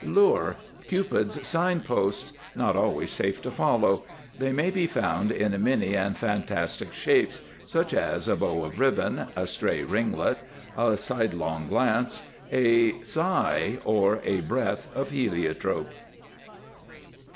LURE. Cupid's signposts, not always safe to follow. They may be found in many and fantastic shapes, such as a bow of ribbon, a stray ringlet, a side long glance, a sigh, or a breath of heliotrope.